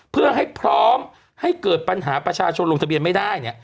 เพื่อให้พร้อมให้เกิดปัญหาประชาชนลงทะเบียนไม่ได้เนี่ย